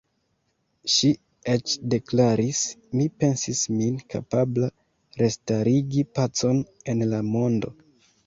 Ŝi eĉ deklaris: Mi pensis min kapabla restarigi pacon en la mondo..